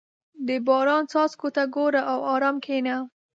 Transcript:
• د باران څاڅکو ته ګوره او ارام کښېنه.